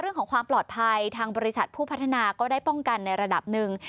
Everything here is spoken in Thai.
เรื่องของความปลอดภัยทางบริษัทผู้พัฒนาก็ได้ป้องกันในระดับหนึ่ง